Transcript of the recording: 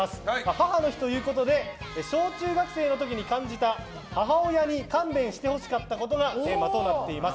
母の日ということで小・中学生の時に感じた母親に勘弁してほしかったことがテーマとなっています。